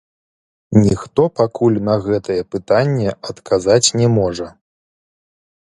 Ніхто пакуль на гэтае пытанне адказаць не можа.